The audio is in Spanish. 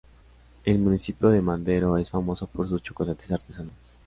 El municipio de Mendaro es famoso por sus chocolates artesanos.